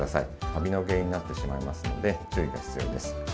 カビの原因になってしまいますので、注意が必要です。